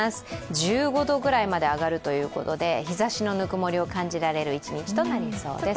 １５度ぐらいまで上がるということで日ざしのぬくもりを感じられる一日となりそうです。